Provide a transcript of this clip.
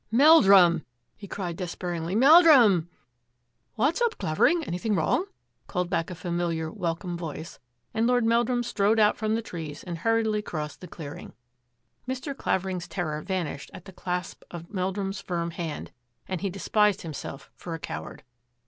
" Meldrum !" he cried despairingly, " Mel drum !" "What's up, Clavering; anything wrong?" called back a familiar, welcome voice, and Lord Meldrum strode out from the trees and hurriedly crossed the clearing. Mr. Clavering's terror vanished at the clasp of Meldrum's firm hand, and he despised himself for a coward.